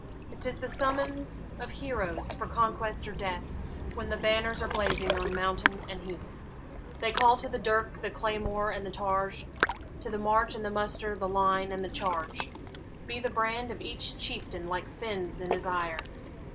'T is the summons of heroes for conquest or death, When the banners are blazing on mountain and heath: They call to the dirk, the claymore, and the targe, To the march and the muster, the line and the charge. Be the brand of each chieftain like Fin's in his ire!